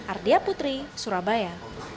ardia putri surabaya